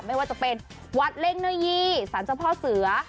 ไม่ว่าจะเป็นวัดเล่งเนยีสรรพเสือ